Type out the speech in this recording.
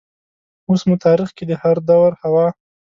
اوس مو تاریخ کې د هردور حوا